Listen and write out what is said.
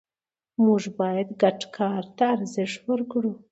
موږ باید ګډ کار ته ارزښت ورکړو